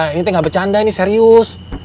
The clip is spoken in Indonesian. ini teh gak bercanda ini serius